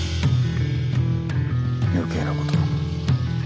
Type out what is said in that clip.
余計なことを。